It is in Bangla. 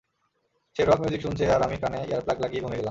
সে রক মিউজিক শুনছে আর আমি কানে ইয়ারপ্লাক লাগিয়ে ঘুমিয়ে গেলাম।